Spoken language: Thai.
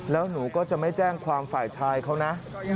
แล้วหนูก็จะไม่แจ้งความฝ่ายชายเขานะ